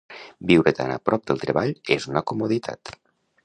Viure tan a prop del treball és una comoditat.